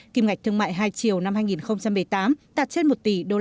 kim ngạch thương mại hai triều năm hai nghìn một mươi tám tạt trên một tỷ usd